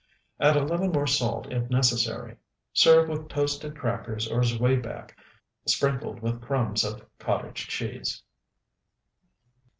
Add a little more salt if necessary; serve with toasted crackers or zwieback sprinkled with crumbs of cottage cheese.